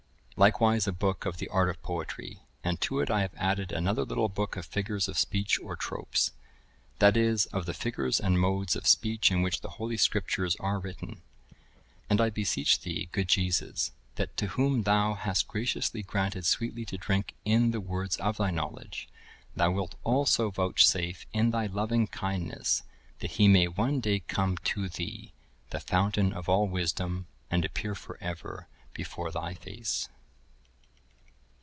Likewise a Book of the Art of Poetry, and to it I have added another little Book of Figures of Speech or Tropes; that is, of the Figures and Modes of Speech in which the Holy Scriptures are written. And I beseech Thee, good Jesus, that to whom Thou hast graciously granted sweetly to drink in the words of Thy knowledge, Thou wilt also vouchsafe in Thy loving kindness that he may one day come to Thee, the Fountain of all wisdom, and appear for ever before Thy face.